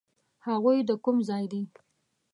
هغوی د کوم ځای دي؟